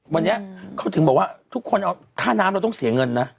วันนี้เขาถึงบอกว่าทุกคนค่าน้ำเราต้องเสียเงินนะ